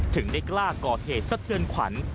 ถึงได้กล้าก่อเหตุสะเทือนขวัญ